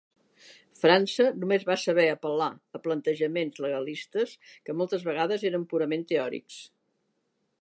França només va saber apel·lar a plantejaments legalistes que moltes vegades eren purament teòrics.